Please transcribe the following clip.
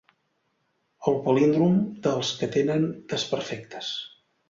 El palíndrom dels que tenen desperfectes.